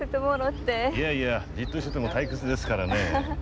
いやいやじっとしてても退屈ですからね。